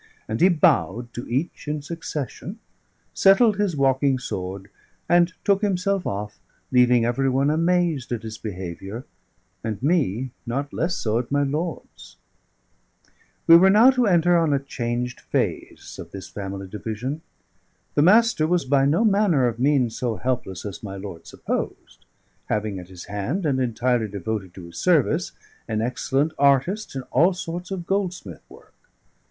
And he bowed to each in succession, settled his walking sword, and took himself off, leaving every one amazed at his behaviour, and me not less so at my lord's. We were now to enter on a changed phase of this family division. The Master was by no manner of means so helpless as my lord supposed, having at his hand, and entirely devoted to his service, an excellent artist in all sorts of goldsmith work.